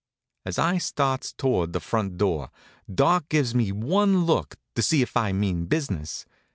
As I starts towards the front door Doc gives me one look, to see if I mean business.